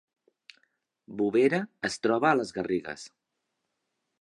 Bovera es troba a les Garrigues